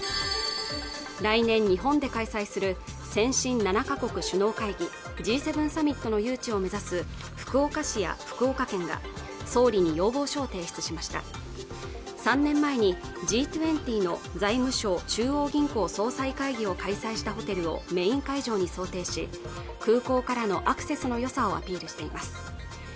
来年日本で開催する先進７か国首脳会議Ｇ７サミットの誘致を目指す福岡市や福岡県が総理に要望書を提出しました３年前にＧ２０の財務相中央銀行総裁会議を開催したホテルをメイン会場に想定し空港からのアクセスのよさをアピールしています